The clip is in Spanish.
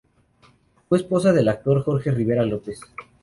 Fue esposa del actor Jorge Rivera López.